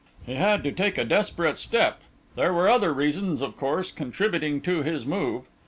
He had to take a desperate step; there were other reasons, of course, contributing to his move.